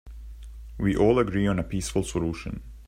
We all agree on a peaceful solution.